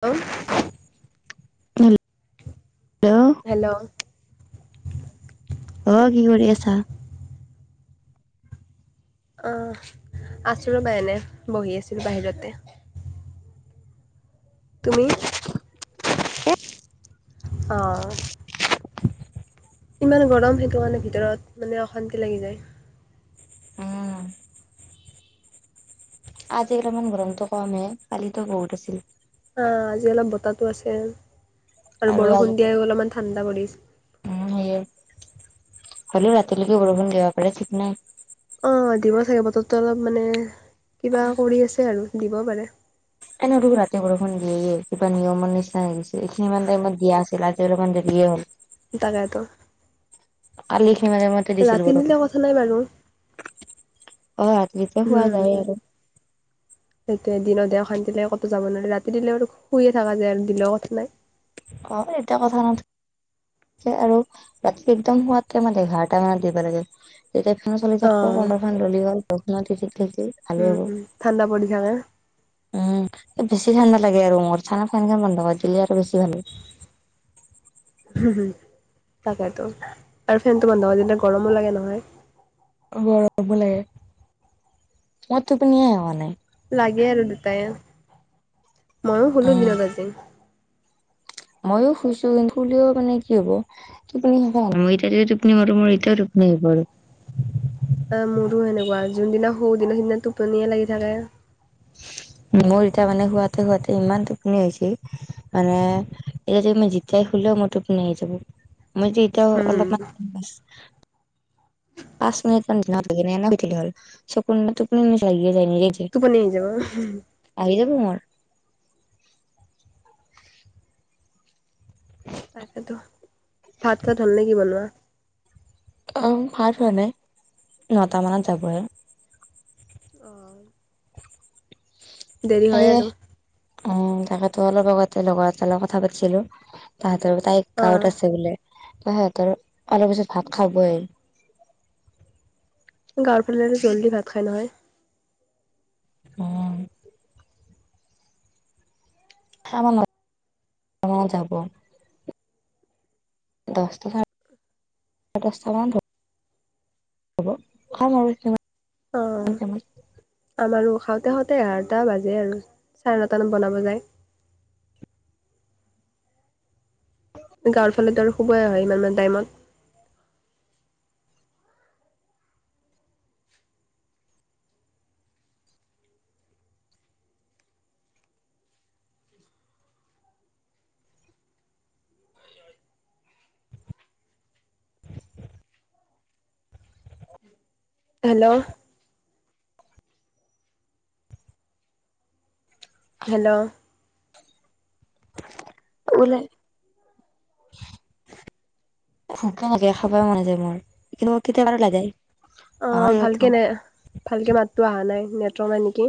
Hello. [unintelligible] Hello. অ' কি কৰি আছা? অ' আছোঁ ৰ'বা এনে বহি আছোঁ বাহিৰতে। তুমি? অ'। ইমান গৰম সেইটো কাৰণে ভিতৰত মানে অশান্তি লাগি যায়। আজি অলপমান গৰমটো কম এ, কালিটো বহুত আছিল। অ, আজি অলপ বতাহ তো আছে আৰু আৰু আজি বৰষুণ দিয়াই অলপমান ঠাণ্ডা পৰিল। উম, সেইয়ে হ'লেও ৰাতিলৈকে বৰষুণ দিব পাৰে, ঠিক নাই। অ' দিব ছাগে বতৰটো অলপ মানে কিবা কৰি আছে আৰু দিব পাৰে। এনেও দেখোন ৰাতি বৰষুণ দিয়েই কিবা নিয়মৰ নিচিনা হৈ গৈছে। এইখিনি মান টাইমত দিয়া আছিল আ জি অলপমান বেছিয়ে হ'ল। তাকেইটো। কালি এইখিনি মান টাইমতে দিছিল ৰাতি বৰষুণ দিলে কথা নাই বাৰু। অ, ৰাতিতো শুৱা যায় আৰু। [inaudible] সেইটোয়ে দিনত দিলে অশান্তি লাগে ক'তো যাব নোৱাৰি। ৰাতি দিলেওঁ শুইয়ে থাকা যায় আৰু দিলেওঁ কথা নাই। অ, এটা কথা নথ যে আৰু ৰাতি একদম শোৱাৰ টাইমত এঘাৰটা মানত দিব লাগে। এতিয়া ফেনো চলি থাকিব অ' অলপমান ললি হ'ল বৰষুণত তিতি থাকি ভালে হ'ব। উম ঠাণ্ডা পৰি থাকে। উম, বেছি ঠাণ্ডা লাগে ৰুমত। ঠাণ্ডাত ফেনখন বন্ধ কৰে দিলে আৰু বেছি ভাল। হম, হম। তাকেইতো, আৰু ফেনটো বন্ধ কৰি দিলে গৰমো লাগে নহয়। গৰমো লাগে। মোৰ টোপনিয়ে হোৱা নাই। লাগে আৰু দুটাইয়ে। মইয়ো শুলো দিনত আজি। মইয়ো শুইছোঁ কিন্তু শুলেও মানে কি হ'ব, টোপনি নহ'ল। মই এতিয়া যদি টোপনি মাৰো মোৰ এতিয়াও টোপ নি আহিবই। [inaudible] আহ মোৰো সেনেকুৱা যোনদিনা সৰুদিনা সিদিনা টোপনিয়ে লাগি থাকে। মোৰ এতিয়া মানে শুৱতে, শুৱতে ইমান টোপনি হৈছে। মানে এতিয়া যদি ম, জতিাই শলেও মই টোপনি আহি যাব। মই এতিয়াও উম। অলপমান পাঁচ মিনিট লাগে ন, ন, হ'ল চকুনে তুপনি নে চে। নিজ যে টোপনি আহি যাব আহি যাব মোৰ তাৰপ ভাত চাত ধনণে কি বনোৱা। অ, ভাল হয়োৱা নে নটা মানত যাব আৰু। অ'। দেৰি হয় আৰু। উ, তাকেতো অলপ আগতে লগৰ এট লগত কথা পাতিছিলো। তাহতৰ তাইক অ গাঁৱত আছে বোলে। ত, সিহতৰ অলপ পিছত ভাত খাবই। তাৰ ফ, জল্দি ভাত খাই নহয়। আহ। আৰ যাব। দহটা চ, দহটা মান ধৰি হ'ব খাম আৰু স অ, আমাৰো। খাওঁতে, খাওঁতে এঘাৰটা বাজে আৰু চাৰে নটামান বনাব যায়। গাঁৱৰ ফালো আৰু শুবাই অ, আহ হয় ইমানান টাইমত। হেল্ল'? হেল্ল'? ওলে ভোক লাগে খাবাই মন যায় মোৰ কিন্তু কেতিয়াবা ল, যায়। অ, ভালকে নে ভালকে মাতটো অহা নাই, নেটৰ নে, নেকি।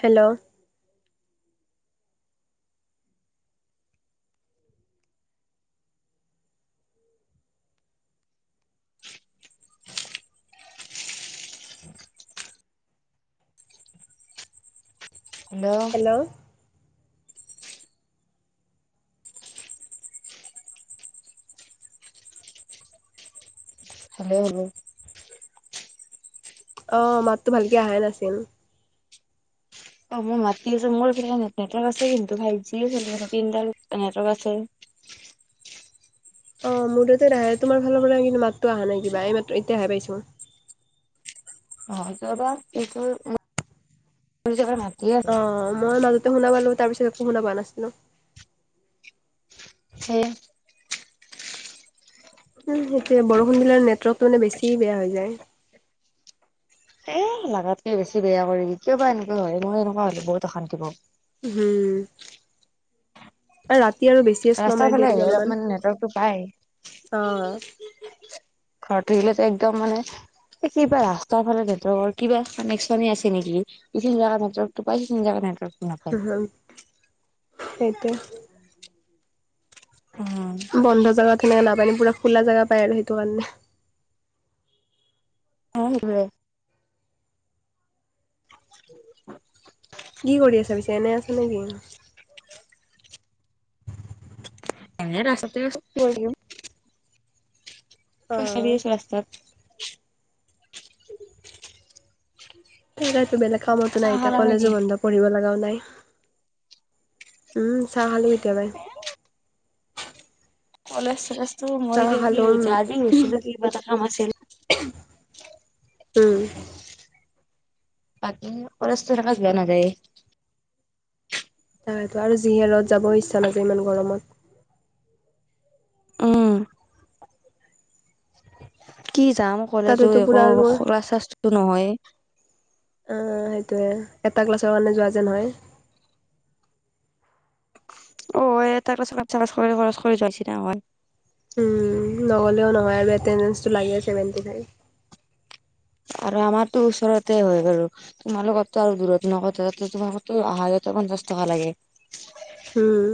হেল্ল'? হেল্ল'? Hello, hello? অ মাততো ভালকে আহা নাছিল অ মই মাতি আছো মোৰ নেট নেটৱৰ্ আছে কিন্তু ফাইভ জি তিনদাল নেটৱক আছে অ মোৰ তাতোহে তোমাৰ ফালৰ পৰা কিন্তু মাতো অহা নাই কিবা এইমাত্ৰ এতিয়াহে পাইছো ম অ তাবা এইটো মাতিয়ে অ মই মাজতে শুনা পালো তাৰ পিছত একো শুনা পোৱা নাছিলো হে উ সেইটোয়ে বৰষুণ দিলেৰ নেটৱৰ্কটো মানে বেছি বেয়া হৈ যায় এ লাগাতকে বেছি বেয়া কৰি কিয় বা এনেকুৱা হয় মই এনেকুৱা হলে বহুত অশান্তি পওঁ হম আৰু ৰাতি আৰু বেছিয়ে শ্ল ৰাস্তাৰ মাৰি ফালে দিয়ে নেকি আহিলে অলপমান নেটৱৰ্কটো পায় অ ঘৰত থাকিলেতো একদম মানে এই কিবা ৰাস্তাৰ ফালে নেটৱকৰ কিবা কানেকশনে আছে নেকি ইখিনি জেগাত নেটৱক পাই সিখিনি জেগাত নাপাই হ হ সেইটোয়ে বন্ধ জেগা সেনেকে নাপায় ন পুৰা খোলা জেগা পায় আৰু সেইটো কাৰণে আহ ধৰে কি কৰি আছা পিছে এনে আছা নেকি এনে ৰাস্তাতে আছো খোজ কাঢ়ি অ'। আছো ৰাস্তাত স বেলেগ কামতো নাই চাহ এতিয়া খালা কলেজো নেকি বন্ধ পঢ়িব লগাও নাই উম চাহ খালো এতিয়া মই কলেজ চলেজটো মই চাহ খালো উম, আজি গৈছিলো কিবা এটা কাম আছিল। উম। বাকী কলেজতো এনেকে যোৱা নাযায়ে আৰু যিহে ৰদ যাব ইচ্ছা নাযাই ইমান গৰমত। উম কি যাম কলেজো তাতেতো একো পুৰা আৰু অ', ক্লাছ-শ্লাচটো নহয়ে। উম এটা ক্লাছৰ কাৰনে যোৱা যেন হয়। অ এটা ক্লাচৰ কাৰনে পইছা খৰচ কৰি যোৱা নিচিনা হই উম, নগলেও নহয় আৰু এটেনদেন্সটো লাগে সেৱেন্তিফাইভ। আৰু আমাৰটো ওচৰতে হয় বাৰু তোমালোকৰতো আৰু দূৰত সদহতে আহাতো আকন পঞ্চাছ টকা লাগে। উম,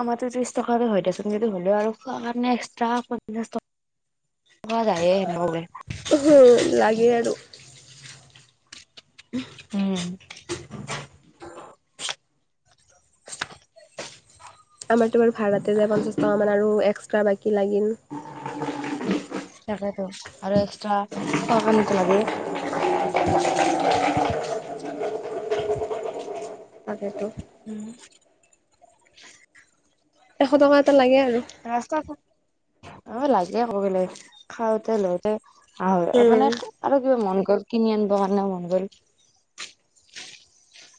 আমাৰতো ত্ৰিশ টকাতে হয় দিয়াচোন হলেও খোৱাতো এস্টা পঞ্চাছ টকা [unintelligible] লাগে আৰু। উম। আমাৰতো বাৰু ভাড়াতে যায় পঞ্চাশ টকা মান আৰু এস্টা বাকী লাগিল। তাকেতো, আৰু এস্টা খোৱাৰ কাৰণেতো লাগে। [inaudible] তাকেতো। উম। এশ টকা এটা লাগে আৰু। ৰাস্তাত অ', লাগে আকৌ এইবিলাক। খাওঁতে, লওঁতে অ, হয় উম। এইপিনে আৰু কিবা মন গ'ল, কিনি আনিব কাৰণে মন গ'ল।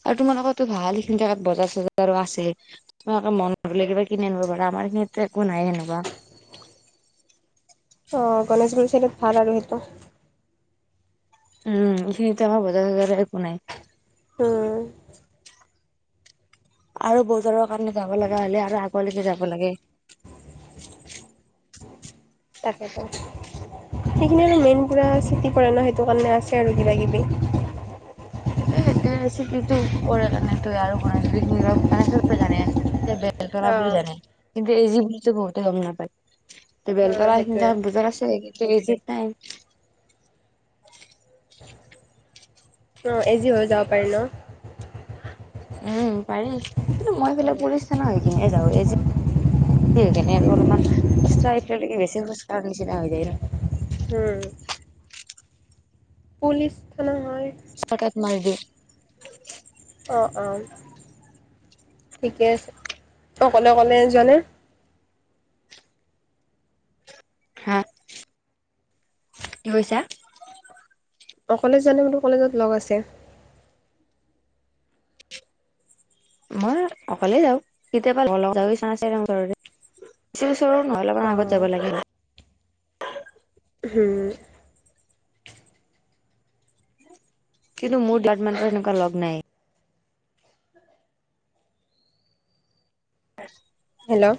আৰু তোমালোকৰতো ভাল সেইখিনি জেগাত বজাৰ, চজাৰো আছে তোমালোকে মনত পৰিলে কিবা কিনি আনিব পাৰা। আমাৰখিনো একো নাই হেনেকুৱা। আহ গণেশগুৰি চাইডে ভাল আৰু সেইটো। উম এইখিনিতো আমাৰ বজাৰ একো নাই। উ আৰু বজাৰৰ কাৰণে যাব লগা হলে আৰু আগলৈকে যাব লাগে তাকেতো সেইখিনি আৰু মেইন পোৰা চিতি পৰে ন সেইটো কাৰণে আছে আৰু কিবা কিবি এ কি ছিতি টো পৰে কাৰণে আৰু [unintelligible] বেলতলা বুলি অ'। যানে কিন্তু এই জী বুলি ঘ গম নাপায়ক। কি বুলি কৈছে বুজি পোৱা অ', নাই। বেলতলাৰ সেইটোৱে সেইখিনিতে বজাৰ আছে, পিছত খিনি বুজি পোৱা নাই। অ, আজি হৈ যাব পাৰে ন। উম, পাৰি কিন্তু মই ফালে পোলীচথানা নেকি নেজাউ এই যে উ, সেইকাৰণে আৰু অলপমান কষ্ট আহেলক বেছি খোজ কঢ়াৰ নিচিনা হৈ যায় ন। উ। পুলিচ থানা। হয় সঠাত মাজি বুজি পোৱা নাই। অ', অ'। ঠিকে আছে, অকলে, অকলে যোৱা নে। হা। কি কৈছা? অকলে যোৱানে? তোৰ কলেজত লগ আছে। মই অকলে যাওঁ কেতিয়াবা অ', [unintelligible] [inaudible] হম। কিন্তু মোৰ [unintelligible] এনেকুৱা লগ নাই। [inaudible] হেল্ল'!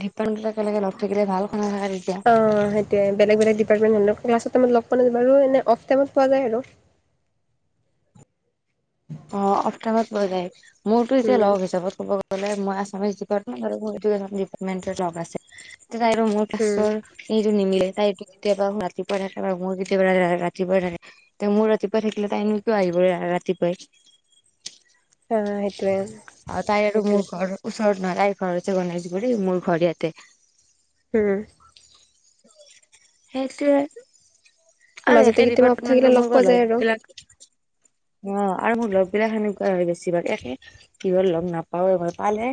ধিপান বিলাক এনেকে লগ থাকিলে ভাল। শুনা থাকা তেতিয়া অ' সেইটোয়ে বেলেগ বেলেগ ক্লাছৰ টাইমত লগ পোৱা নাযায় বাৰু এনে অফ্ টাইমত পোৱা যায় আৰু। অ' অফ্ টাইমত পোৱা যায়, মোৰতো এতিয়া উম, লগ হিচাপত ক'ব গ'লে মই আছামিছ ডিপাৰ্টমেন্ট আৰু মোৰ এডুকেশ্বন ডিপাৰ্টমেন্টৰ জব্দ আছে। তাইো মোৰ উম, ক্লাছৰ এইটো নিমিলে তাইটো কেতিয়াবা ৰাতি থাকে মোৰ কেতিয়াবা ৰাতিপুৱা থাকে মোৰ ৰাতিপুৱা থাকিলে তাই এন কিয় আহিবই ৰাতিপুৱাই অ' সেইটোৱে। অ' তাই আৰু মোৰ ঘৰ ওচৰত নহয়। তাইৰ ঘৰ হৈছে গণেশগুৰি মোৰ ঘৰ ইয়াতে। উম। সেইটোৱে আৰু মাজতে একে কেতিয়াবা অফ ডিপাৰ্টমেন্টৰ থাকিলে মোৰ লগ পোৱা যায় আৰু লগবিলাক অ' আৰু মোৰ লগ বিলাক সেনেকুৱা হয়গৈছি বেছিভাগ হে একে। কিহত লগ নাপাওঁ পালে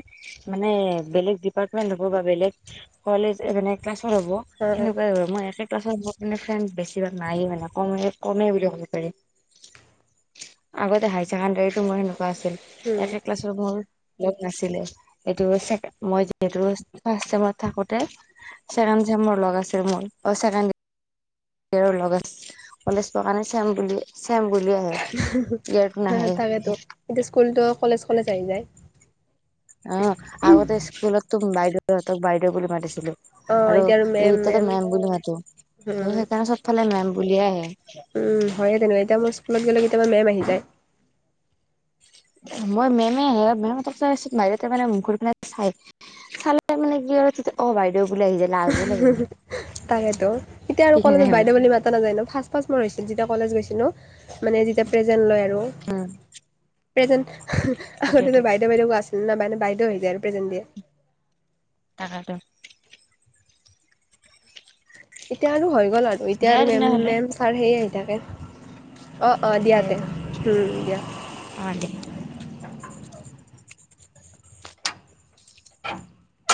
মানে বেলেগ ডিপাৰ্টমেন্ট হ'ব বা বেলেগ কলেজ বেলেগ ক্লাছৰ হ'ব অ', সেনেকুৱাই হয় মই একে ক্লাছৰ মোৰ‌ এনে ফ্ৰেন্দ বেছিভাগ নাই মানে কম কমে বুলি ক'ব পাৰি। আগতে হাই ছেকেণ্ডাৰীতো মোৰ সেনেকুৱা আছিল উম, একে ক্লাছৰ লগ নাছিলে সেটো মই ছেকেণ্ড মই যিহেতু ফাৰ্ষ্ট চেমত থাকোতে ছেকেণ্ড চেমৰ লগ আছিল মোৰ ছেকেণ্ড লগ কলেজ পোৱা কাৰণে চেম বুলি, চেম বুলি। আহে ইয়েৰটো হয় নাহে তাকেতো, এতিয়া স্কুলতো কলেজ, কলেজ আহি যায়। অ' আগতে স্কুলতো বাইদেউহঁতক বাইদেউ বুলি মাতিছিলোঁ। অ', আৰু এতিয়া এই মেম এতিয়াটো মে'ম বুলি মাতো তো উম, সেইকাৰণে চবফালে মে'ম বুলিয়ে আহে। উম, হয়ে তেনে এতিয়া মোৰ স্কুলত গ'লে কেতিয়াবা মে'ম আহি যায়। মই মে'মে আহে মেমহতকচাইছ [unintelligible] ততে মানে মুখৰ ফালে ঘৰি পিনে চাই চালে মানে কি অ' বাইদেউ বুলি আহি যায়। লাজো লাগে তাকেতো এতিয়া আৰু সেইখিনি কলেজত টাইমত বাইদেউ বুলি মাতা নাযায় ন ফাৰ্ষ্ট মোৰ ফাৰ্ষ্ট হৈছিল। যেতিয়া কলেজ গৈছিল, মানে যেতিয়া প্ৰেজেন্ট লয় আৰু উম, হেল্ল'প্ৰেজেণ্ট সেইটোৱেতো আগতেতো বাইদেউ বাইদেউ কোৱা আছিল ন [unintelligible] বাইদেউ আহি যায় আৰু প্ৰেজেণ্ট দিয়ে। তাকেটো। এতিয়া আৰু হৈ গ'ল আৰু এতিয়া দিয়া আৰু মে'ম, তেনেহ'লে মে'ম, ছাৰ সেই আহি থাকে। অ' অ' দিয়া তে সেইটো উম, দিয়া। অ', দিয়া। [unintelligible]